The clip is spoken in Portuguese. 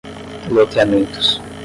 loteamentos